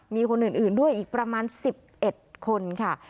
มีคนอื่นด้วยอีกประมาณ๑๑คนค่ะ